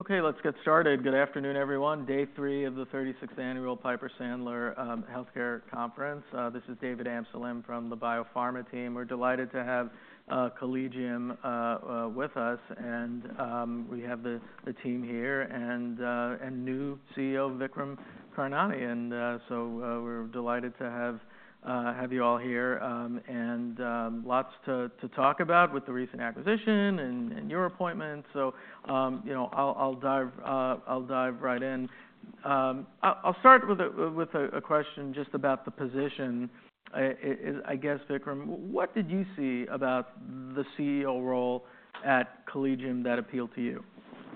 Okay, let's get started. Good afternoon, everyone. Day three of the 36th Annual Piper Sandler Healthcare Conference. This is David Amsellem from the Biopharma team. We're delighted to have Collegium with us, and we have the team here and new CEO, Vikram Karnani, and so we're delighted to have you all here, and lots to talk about with the recent acquisition and your appointment, so you know, I'll dive right in. I'll start with a question just about the position. I guess, Vikram, what did you see about the CEO role at Collegium that appealed to you?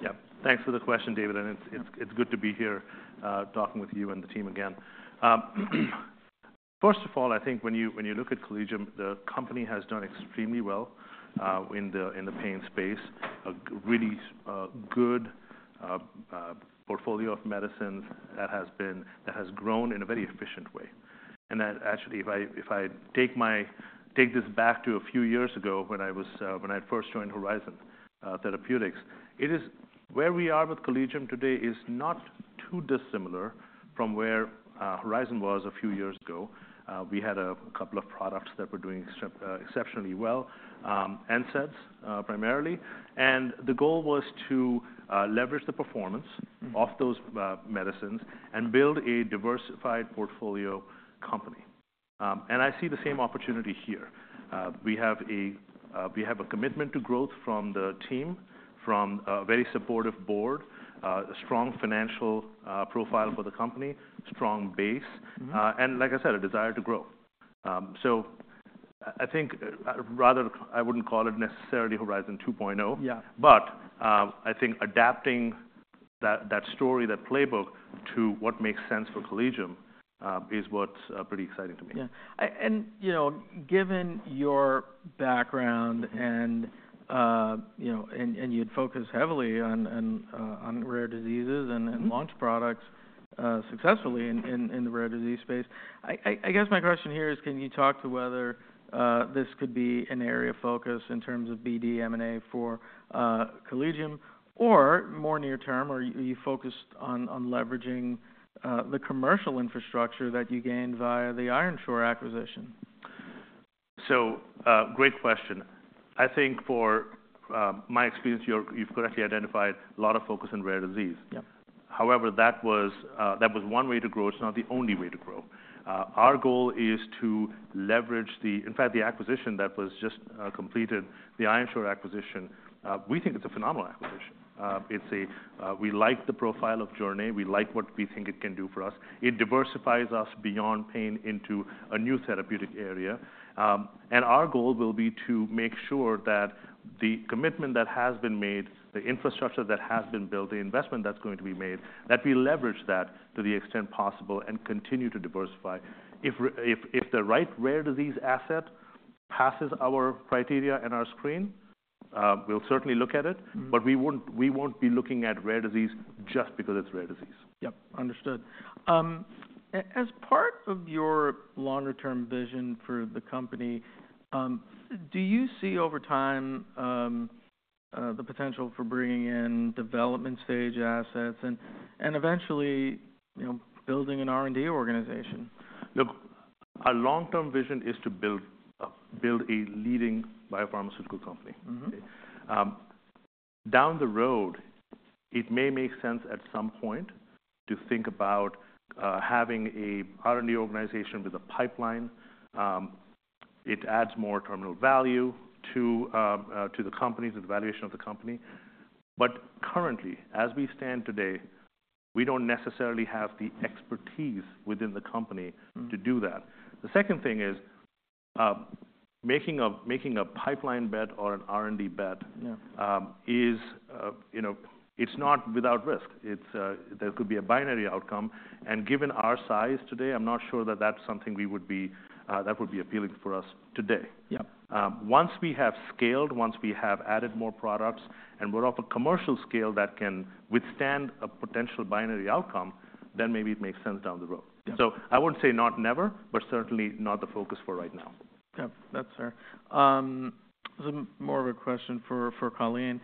Yeah, thanks for the question, David, and it's good to be here talking with you and the team again. First of all, I think when you look at Collegium, the company has done extremely well in the pain space. A really good portfolio of medicines that has grown in a very efficient way, and actually, if I take this back to a few years ago when I first joined Horizon Therapeutics, it is where we are with Collegium today is not too dissimilar from where Horizon was a few years ago. We had a couple of products that were doing exceptionally well, NSAIDs primarily, and the goal was to leverage the performance of those medicines and build a diversified portfolio company, and I see the same opportunity here. We have a commitment to growth from the team, from a very supportive board, a strong financial profile for the company, strong base, and like I said, a desire to grow. So I think rather I wouldn't call it necessarily Horizon 2.0, but I think adapting that story, that playbook to what makes sense for Collegium is what's pretty exciting to me. Yeah. And, you know, given your background and your focus heavily on rare diseases and launch products successfully in the rare disease space, I guess my question here is, can you talk to whether this could be an area of focus in terms of BD, M&A for Collegium or more near term, or are you focused on leveraging the commercial infrastructure that you gained via the Ironshore acquisition? So great question. I think for my experience, you've correctly identified a lot of focus in rare disease. However, that was one way to grow. It's not the only way to grow. Our goal is to leverage the, in fact, the acquisition that was just completed, the Ironshore acquisition. We think it's a phenomenal acquisition. We like the profile of Jornay. We like what we think it can do for us. It diversifies us beyond pain into a new therapeutic area. And our goal will be to make sure that the commitment that has been made, the infrastructure that has been built, the investment that's going to be made, that we leverage that to the extent possible and continue to diversify. If the right rare disease asset passes our criteria and our screen, we'll certainly look at it, but we won't be looking at rare disease just because it's rare disease. Yep, understood. As part of your longer-term vision for the company, do you see over time the potential for bringing in development stage assets and eventually building an R&D organization? Look, our long-term vision is to build a leading biopharmaceutical company. Down the road, it may make sense at some point to think about having an R&D organization with a pipeline. It adds more terminal value to the company, to the valuation of the company. But currently, as we stand today, we don't necessarily have the expertise within the company to do that. The second thing is making a pipeline bet or an R&D bet is, you know, it's not without risk. There could be a binary outcome. And given our size today, I'm not sure that that's something that would be appealing for us today. Once we have scaled, once we have added more products, and we're off a commercial scale that can withstand a potential binary outcome, then maybe it makes sense down the road. So I wouldn't say not never, but certainly not the focus for right now. Yep, that's fair. This is more of a question for Colleen.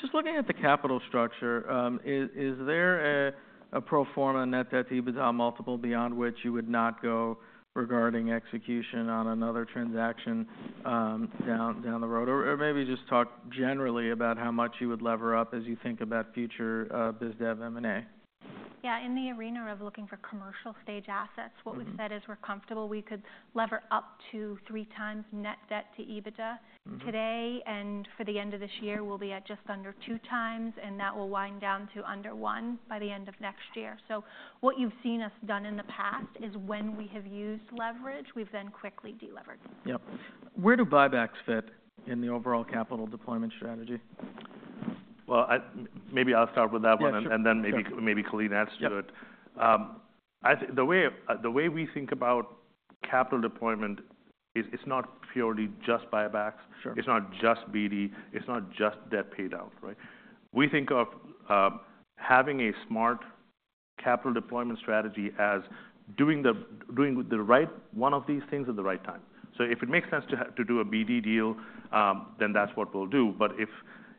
Just looking at the capital structure, is there a pro forma net debt EBITDA multiple beyond which you would not go regarding execution on another transaction down the road? Or maybe just talk generally about how much you would lever up as you think about future BizDev M&A. Yeah, in the arena of looking for commercial stage assets, what we've said is we're comfortable we could lever up to three times net debt to EBITDA today. And for the end of this year, we'll be at just under two times, and that will wind down to under one by the end of next year. So what you've seen us done in the past is when we have used leverage, we've then quickly delivered. Yep. Where do buybacks fit in the overall capital deployment strategy? Maybe I'll start with that one, and then maybe Colleen adds to it. The way we think about capital deployment is it's not purely just buybacks. It's not just BD. It's not just debt paid out, right? We think of having a smart capital deployment strategy as doing the right one of these things at the right time. So if it makes sense to do a BD deal, then that's what we'll do. But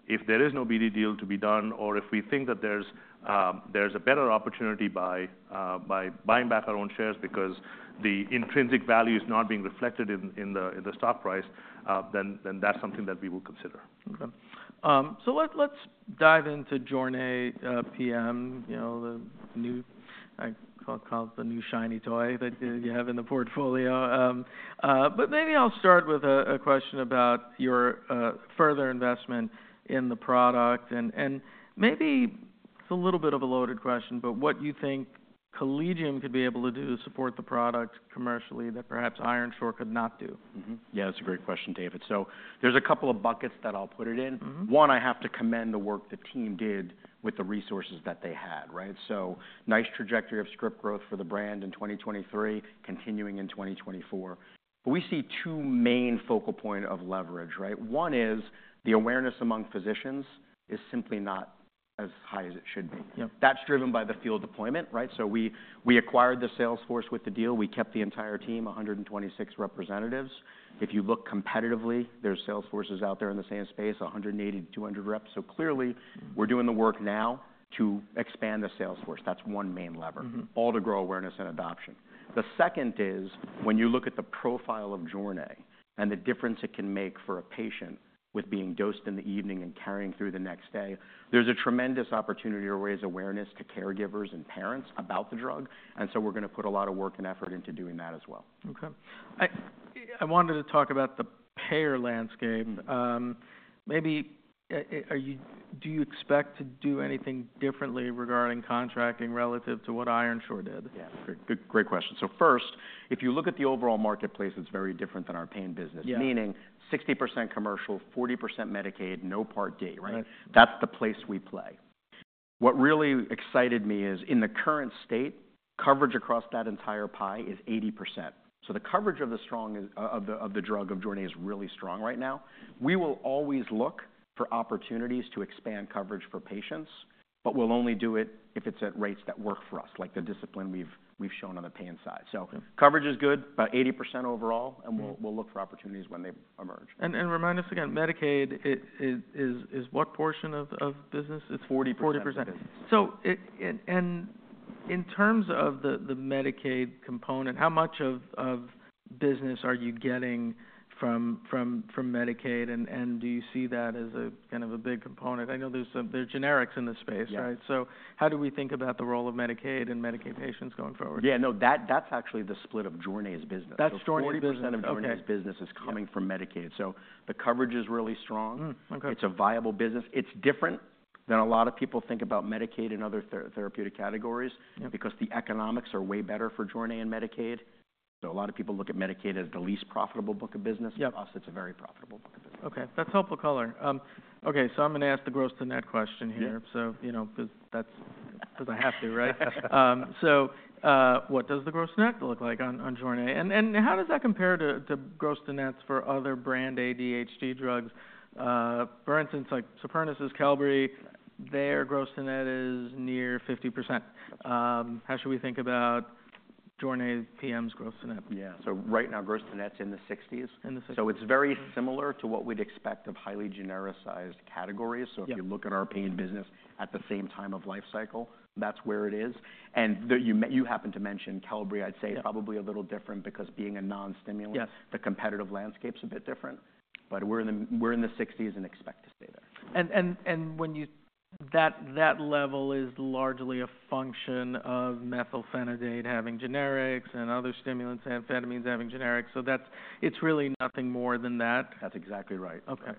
if there is no BD deal to be done, or if we think that there's a better opportunity by buying back our own shares because the intrinsic value is not being reflected in the stock price, then that's something that we will consider. Okay, so let's dive into Jornay PM, you know, the new, I call it the new shiny toy, that you have in the portfolio, but maybe I'll start with a question about your further investment in the product, and maybe it's a little bit of a loaded question, but what you think Collegium could be able to do to support the product commercially that perhaps Ironshore could not do? Yeah, that's a great question, David. So there's a couple of buckets that I'll put it in. One, I have to commend the work the team did with the resources that they had, right? So nice trajectory of script growth for the brand in 2023, continuing in 2024. But we see two main focal points of leverage, right? One is the awareness among physicians is simply not as high as it should be. That's driven by the field deployment, right? So we acquired the sales force with the deal. We kept the entire team, 126 representatives. If you look competitively, there's sales forces out there in the same space, 180-200 reps. So clearly, we're doing the work now to expand the sales force. That's one main lever, all to grow awareness and adoption. The second is when you look at the profile of Jornay and the difference it can make for a patient with being dosed in the evening and carrying through the next day, there's a tremendous opportunity to raise awareness to caregivers and parents about the drug. And so we're going to put a lot of work and effort into doing that as well. Okay. I wanted to talk about the payer landscape. Maybe do you expect to do anything differently regarding contracting relative to what Ironshore did? Yeah, great question. So first, if you look at the overall marketplace, it's very different than our pain business, meaning 60% commercial, 40% Medicaid, no Part D, right? That's the place we play. What really excited me is in the current state, coverage across that entire pie is 80%. So the coverage of the strong of the drug of Jornay is really strong right now. We will always look for opportunities to expand coverage for patients, but we'll only do it if it's at rates that work for us, like the discipline we've shown on the pain side. So coverage is good, about 80% overall, and we'll look for opportunities when they emerge. Remind us again, Medicaid is what portion of business? 40%. 40%. So, in terms of the Medicaid component, how much of business are you getting from Medicaid, and do you see that as a kind of a big component? I know there's generics in the space, right? So, how do we think about the role of Medicaid and Medicaid patients going forward? Yeah, no, that's actually the split of Jornay's business. That's Jornay's business. 40% of Jornay's business is coming from Medicaid. So the coverage is really strong. It's a viable business. It's different than a lot of people think about Medicaid and other therapeutic categories because the economics are way better for Jornay and Medicaid. So a lot of people look at Medicaid as the least profitable book of business. For us, it's a very profitable book of business. Okay, that's helpful color. Okay, so I'm going to ask the gross-to-net question here, so you know, because I have to, right? So what does the gross-to-net look like on Jornay? And how does that compare to gross-to-net for other brand ADHD drugs? For instance, like Supernus' Qelbree, their gross-to-net is near 50%. How should we think about Jornay PM's gross-to-net? Yeah, so right now, gross-to-net's in the 60s. So it's very similar to what we'd expect of highly genericized categories. So if you look at our pain business at the same time of life cycle, that's where it is. And you happen to mention Qelbree, I'd say it's probably a little different because being a non-stimulant, the competitive landscape's a bit different. But we're in the 60s and expect to stay there. That level is largely a function of methylphenidate having generics and other stimulants, amphetamines having generics. It's really nothing more than that. That's exactly right. Okay.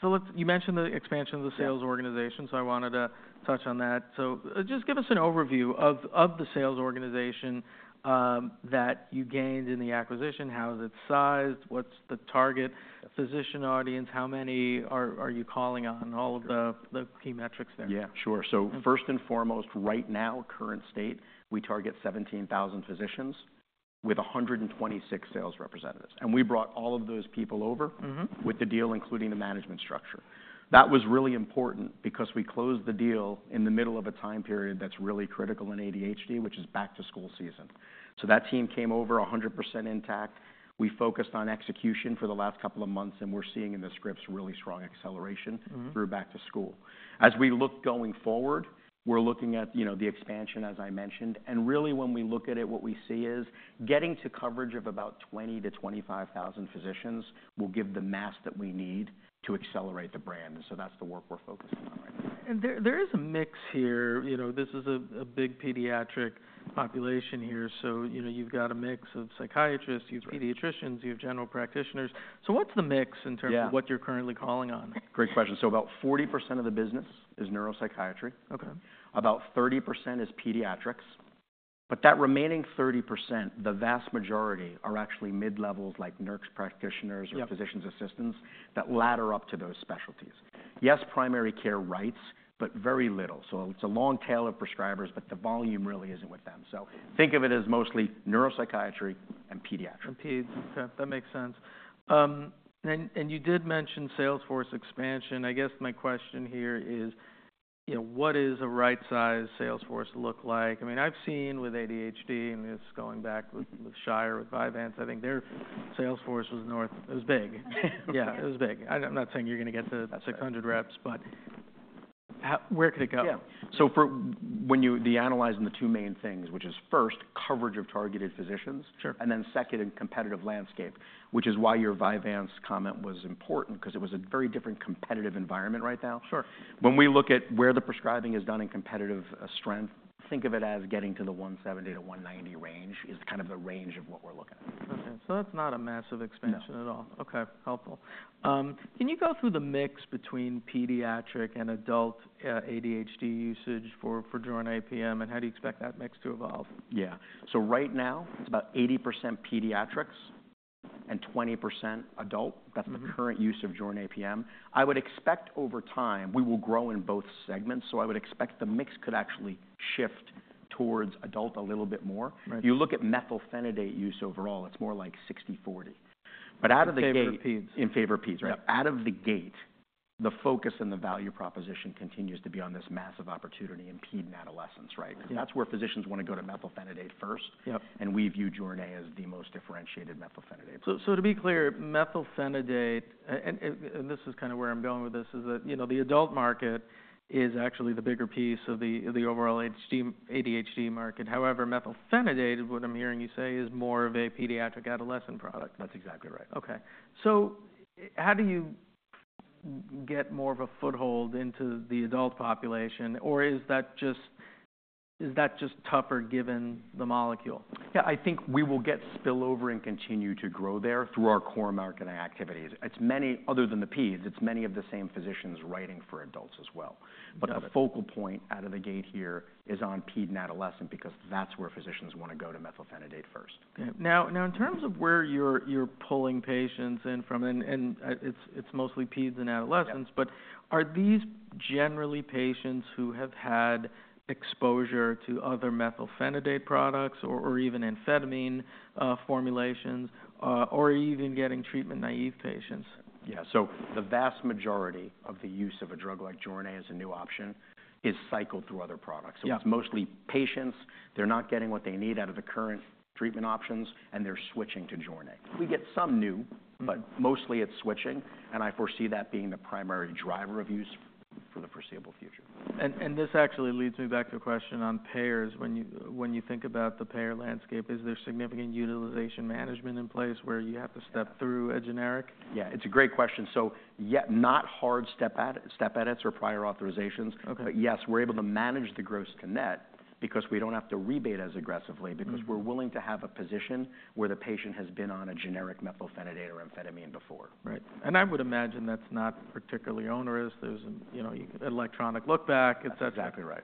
So you mentioned the expansion of the sales organization, so I wanted to touch on that. So just give us an overview of the sales organization that you gained in the acquisition. How is it sized? What's the target physician audience? How many are you calling on? All of the key metrics there. Yeah, sure, so first and foremost, right now, current state, we target 17,000 physicians with 126 sales representatives, and we brought all of those people over with the deal, including the management structure. That was really important because we closed the deal in the middle of a time period that's really critical in ADHD, which is back-to-school season, so that team came over 100% intact. We focused on execution for the last couple of months, and we're seeing in the scripts really strong acceleration through back-to-school. As we look going forward, we're looking at the expansion, as I mentioned, and really, when we look at it, what we see is getting to coverage of about 20,000-25,000 physicians will give the mass that we need to accelerate the brand, and so that's the work we're focusing on right now. And there is a mix here. You know, this is a big pediatric population here. So you've got a mix of psychiatrists, you have pediatricians, you have general practitioners. So what's the mix in terms of what you're currently calling on? Great question. So about 40% of the business is neuropsychiatry. About 30% is pediatrics. But that remaining 30%, the vast majority are actually mid-levels like nurse practitioners or physician's assistants that ladder up to those specialties. Yes, primary care writes, but very little. So it's a long tail of prescribers, but the volume really isn't with them. So think of it as mostly neuropsychiatry and pediatrics. Okay, that makes sense. And you did mention sales force expansion. I guess my question here is, you know, what does a right-sized sales force look like? I mean, I've seen with ADHD, and this is going back with Shire, with Vyvanse, I think their sales force was north. It was big. Yeah, it was big. I'm not saying you're going to get to 600 reps, but where could it go? Yeah. So when you analyze the two main things, which is first, coverage of targeted physicians, and then second, a competitive landscape, which is why your Vyvanse comment was important because it was a very different competitive environment right now. When we look at where the prescribing is done in competitive strength, think of it as getting to the 170-190 range is kind of the range of what we're looking at. Okay. So that's not a massive expansion at all. Okay, helpful. Can you go through the mix between pediatric and adult ADHD usage for Jornay PM, and how do you expect that mix to evolve? Yeah. Right now, it's about 80% pediatrics and 20% adult. That's the current use of Jornay PM. I would expect over time we will grow in both segments, so I would expect the mix could actually shift towards adult a little bit more. You look at methylphenidate use overall, it's more like 60%-40%. But out of the gate. In favor of peds. In favor of peds, right? Out of the gate, the focus and the value proposition continues to be on this massive opportunity in ped and adolescents, right? Because that's where physicians want to go to methylphenidate first, and we view Jornay as the most differentiated methylphenidate. To be clear, methylphenidate, and this is kind of where I'm going with this, is that, you know, the adult market is actually the bigger piece of the overall ADHD market. However, methylphenidate, what I'm hearing you say, is more of a pediatric adolescent product. That's exactly right. Okay. So how do you get more of a foothold into the adult population, or is that just tougher given the molecule? Yeah, I think we will get spillover and continue to grow there through our core marketing activities. It's many other than the peds. It's many of the same physicians writing for adults as well. But the focal point out of the gate here is on ped and adolescent because that's where physicians want to go to methylphenidate first. Now, in terms of where you're pulling patients in from, and it's mostly peds and adolescents, but are these generally patients who have had exposure to other methylphenidate products or even amphetamine formulations or even getting treatment naive patients? Yeah. The vast majority of the use of a drug like Jornay PM as a new option is cycled through other products. It's mostly patients. They're not getting what they need out of the current treatment options, and they're switching to Jornay PM. We get some new, but mostly it's switching, and I foresee that being the primary driver of use for the foreseeable future. This actually leads me back to a question on payers. When you think about the payer landscape, is there significant utilization management in place where you have to step through a generic? Yeah, it's a great question so yet not hard step edits or prior authorizations, but yes, we're able to manage the gross-to-net because we don't have to rebate as aggressively because we're willing to have a position where the patient has been on a generic methylphenidate or amphetamine before. Right, and I would imagine that's not particularly onerous. There's an electronic look-back, etc. Exactly right.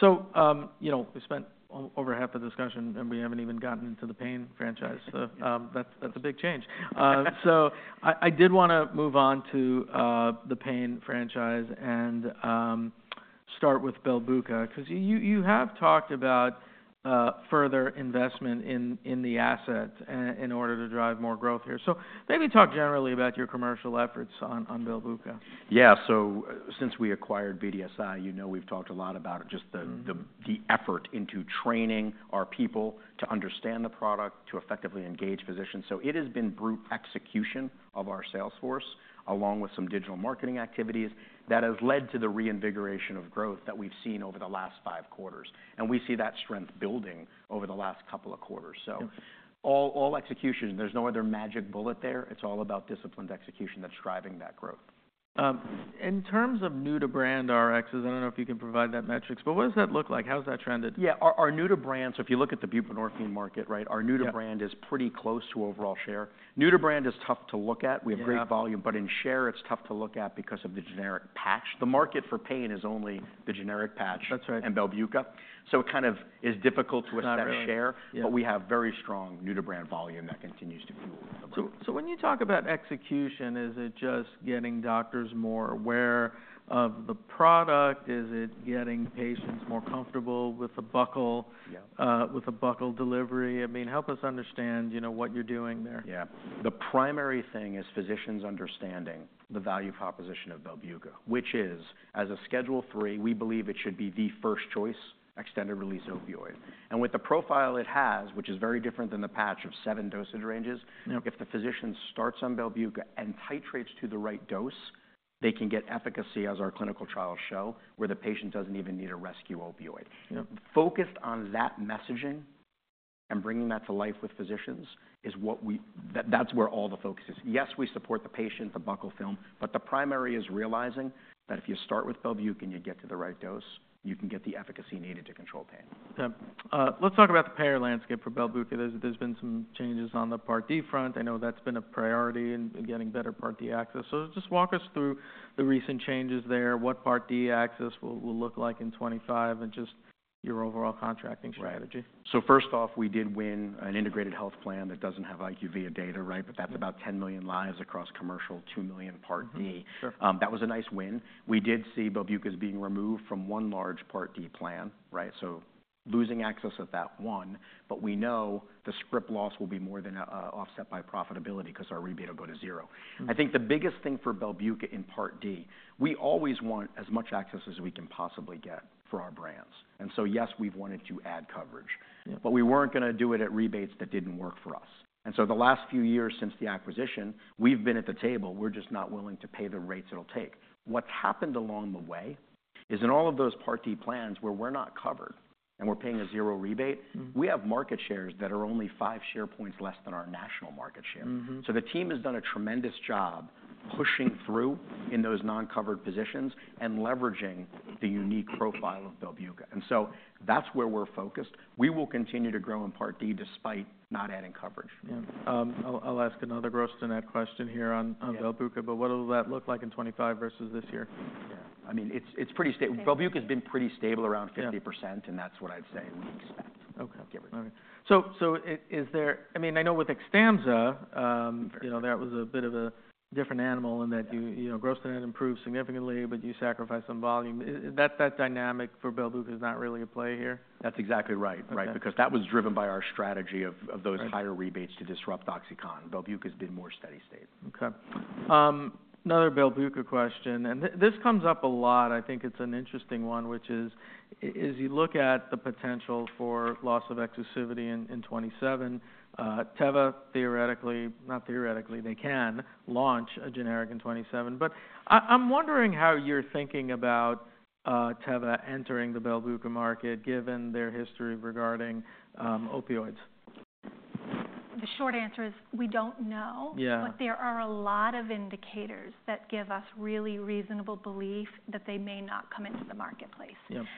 So you know, we spent over half the discussion, and we haven't even gotten into the pain franchise. That's a big change. So I did want to move on to the pain franchise and start with Belbuca because you have talked about further investment in the asset in order to drive more growth here. So maybe talk generally about your commercial efforts on Belbuca. Yeah. So since we acquired BDSI, you know, we've talked a lot about just the effort into training our people to understand the product, to effectively engage physicians. So it has been brute execution of our sales force along with some digital marketing activities that has led to the reinvigoration of growth that we've seen over the last five quarters. And we see that strength building over the last couple of quarters. So all execution, there's no other magic bullet there. It's all about disciplined execution that's driving that growth. In terms of new-to-brand RXs, I don't know if you can provide that metric, but what does that look like? How's that trended? Yeah, our new-to-brand, so if you look at the buprenorphine market, right, our new-to-brand is pretty close to overall share. New-to-brand is tough to look at. We have great volume, but in share, it's tough to look at because of the generic patch. The market for pain is only the generic patch and Belbuca. So it kind of is difficult to assess share, but we have very strong new-to-brand volume that continues to fuel the market. When you talk about execution, is it just getting doctors more aware of the product? Is it getting patients more comfortable with a buccal delivery? I mean, help us understand, you know, what you're doing there. Yeah. The primary thing is physicians understanding the value proposition of Belbuca, which is, as a Schedule III, we believe it should be the first choice extended-release opioid. And with the profile it has, which is very different than the patch of seven dosage ranges, if the physician starts on Belbuca and titrates to the right dose, they can get efficacy, as our clinical trials show, where the patient doesn't even need a rescue opioid. Focused on that messaging and bringing that to life with physicians is what we, that's where all the focus is. Yes, we support the patient, the buccal film, but the primary is realizing that if you start with Belbuca and you get to the right dose, you can get the efficacy needed to control pain. Okay. Let's talk about the payer landscape for Belbuca. There's been some changes on the Part D front. I know that's been a priority in getting better Part D access. So just walk us through the recent changes there, what Part D access will look like in 2025, and just your overall contracting strategy? Right. So first off, we did win an integrated health plan that doesn't have IQVIA data, right? But that's about 10 million lives across commercial, 2 million Part D. That was a nice win. We did see Belbuca's being removed from one large Part D plan, right? So losing access at that one, but we know the script loss will be more than offset by profitability because our rebate will go to zero. I think the biggest thing for Belbuca in Part D, we always want as much access as we can possibly get for our brands. And so yes, we've wanted to add coverage, but we weren't going to do it at rebates that didn't work for us. And so the last few years since the acquisition, we've been at the table. We're just not willing to pay the rates it'll take. What's happened along the way is in all of those Part D plans where we're not covered and we're paying a zero rebate, we have market shares that are only five share points less than our national market share, so the team has done a tremendous job pushing through in those non-covered positions and leveraging the unique profile of Belbuca, and so that's where we're focused. We will continue to grow in Part D despite not adding coverage. Yeah. I'll ask another gross-to-net question here on Belbuca, but what will that look like in 2025 versus this year? Yeah. I mean, it's pretty stable. Belbuca's been pretty stable around 50%, and that's what I'd say we expect. Okay. So, is there, I mean, I know with Xtampza, you know, that was a bit of a different animal in that you gross-to-net improved significantly, but you sacrificed some volume. That dynamic for Belbuca is not really at play here? That's exactly right, right? Because that was driven by our strategy of those higher rebates to disrupt OxyContin. Belbuca's been more steady-stated. Okay. Another Belbuca question, and this comes up a lot. I think it's an interesting one, which is, as you look at the potential for loss of exclusivity in 2027, Teva, theoretically, not theoretically, they can launch a generic in 2027. But I'm wondering how you're thinking about Teva entering the Belbuca market given their history regarding opioids? The short answer is we don't know, but there are a lot of indicators that give us really reasonable belief that they may not come into the marketplace.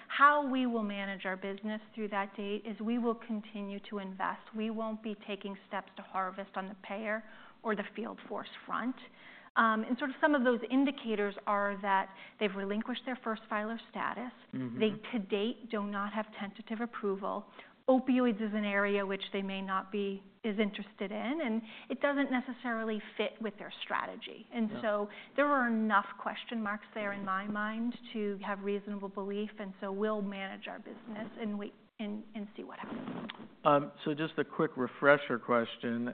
How we will manage our business through that date is we will continue to invest. We won't be taking steps to harvest on the payer or the field force front, and sort of some of those indicators are that they've relinquished their first filer status. They, to date, do not have tentative approval. Opioids is an area which they may not be as interested in, and it doesn't necessarily fit with their strategy, and so there are enough question marks there in my mind to have reasonable belief, and so we'll manage our business and see what happens. So just a quick refresher question.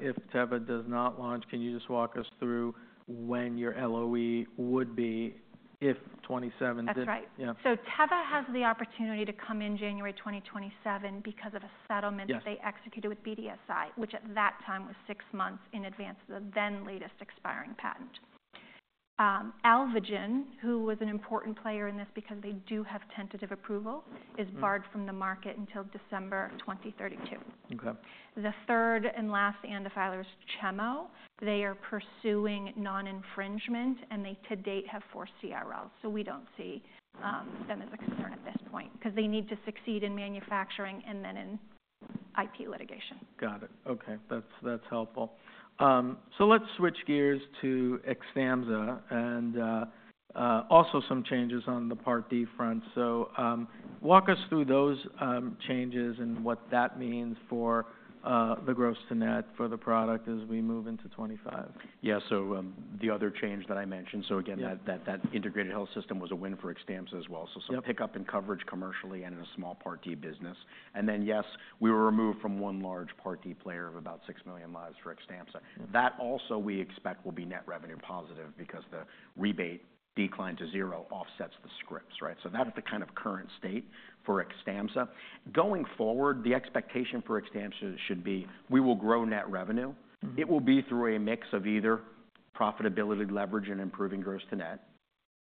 If Teva does not launch, can you just walk us through when your LOE would be if 2027 did? That's right, so Teva has the opportunity to come in January 2027 because of a settlement that they executed with BDSI, which at that time was six months in advance of the then latest expiring patent. Alvogen, who was an important player in this because they do have tentative approval, is barred from the market until December 2032. The third and last ANDA filer is Chemo. They are pursuing non-infringement, and they, to date, have four CRLs. So we don't see them as a concern at this point because they need to succeed in manufacturing and then in IP litigation. Got it. Okay. That's helpful. So let's switch gears to Xtampza and also some changes on the Part D front. So walk us through those changes and what that means for the gross-to-net for the product as we move into 2025. Yeah. So the other change that I mentioned, so again, that integrated health system was a win for Xtampza as well. So some pickup and coverage commercially and in a small Part D business. And then yes, we were removed from one large Part D player of about six million lives for Xtampza. That also we expect will be net revenue positive because the rebate decline to zero offsets the scripts, right? So that's the kind of current state for Xtampza. Going forward, the expectation for Xtampza should be we will grow net revenue. It will be through a mix of either profitability leverage and improving gross-to-net.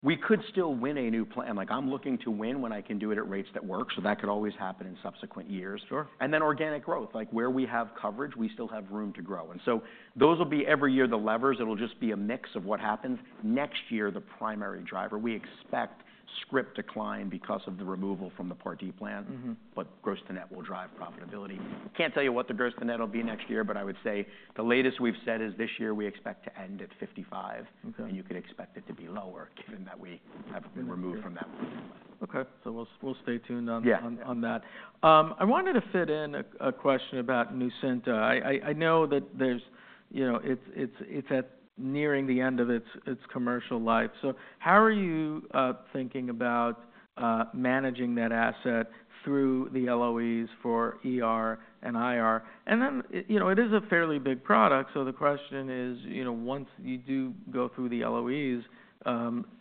We could still win a new plan. Like I'm looking to win when I can do it at rates that work. So that could always happen in subsequent years. And then organic growth, like where we have coverage, we still have room to grow. And so those will be every year the levers. It'll just be a mix of what happens. Next year, the primary driver, we expect script decline because of the removal from the Part D plan, but gross-to-net will drive profitability. Can't tell you what the gross-to-net will be next year, but I would say the latest we've said is this year we expect to end at 55%, and you could expect it to be lower given that we have been removed from that plan. Okay. So we'll stay tuned on that. I wanted to fit in a question about Nucynta. I know that there's, you know, it's nearing the end of its commercial life. So how are you thinking about managing that asset through the LOEs for ER and IR? And then, you know, it is a fairly big product. So the question is, you know, once you do go through the LOEs,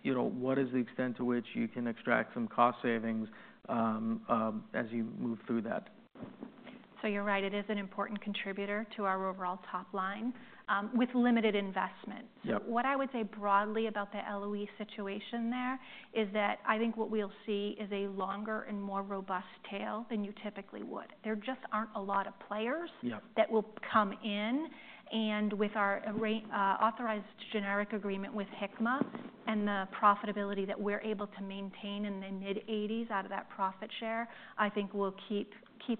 you know, what is the extent to which you can extract some cost savings as you move through that? So you're right. It is an important contributor to our overall top line with limited investment. So what I would say broadly about the LOE situation there is that I think what we'll see is a longer and more robust tail than you typically would. There just aren't a lot of players that will come in. And with our authorized generic agreement with Hikma and the profitability that we're able to maintain in the mid-80s out of that profit share, I think we'll keep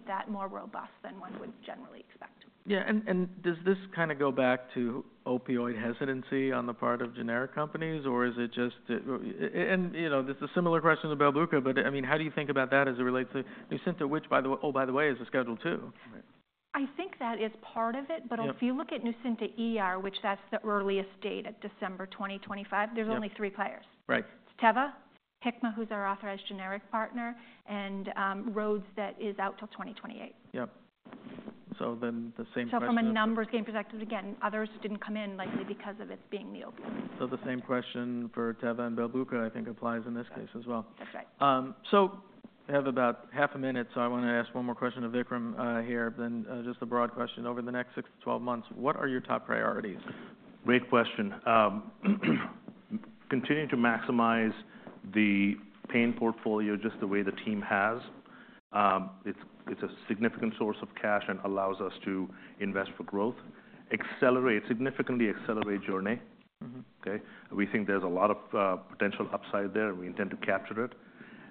that more robust than one would generally expect. Yeah. And does this kind of go back to opioid hesitancy on the part of generic companies, or is it just, and you know, this is a similar question to Belbuca, but I mean, how do you think about that as it relates to Nucynta, which, by the way, oh, by the way, is a Schedule II? I think that is part of it, but if you look at Nucynta, which is the earliest date at December 2025, there's only three players. It's Teva, Hikma, who's our authorized generic partner, and Rhodes that is out till 2028. Yep. So then the same question. So from a numbers game perspective, again, others didn't come in likely because of it being the opioid. So the same question for Teva and Belbuca, I think applies in this case as well. That's right. So we have about half a minute, so I want to ask one more question to Vikram here. Then just a broad question. Over the next six to 12 months, what are your top priorities? Great question. Continue to maximize the pain portfolio just the way the team has. It's a significant source of cash and allows us to invest for growth, accelerate, significantly accelerate Jornay. Okay. We think there's a lot of potential upside there, and we intend to capture it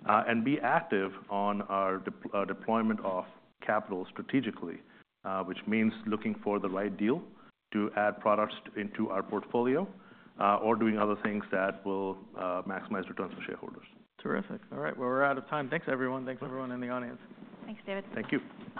and be active on our deployment of capital strategically, which means looking for the right deal to add products into our portfolio or doing other things that will maximize returns for shareholders. Terrific. All right. Well, we're out of time. Thanks, everyone. Thanks, everyone in the audience. Thanks, David. Thank you.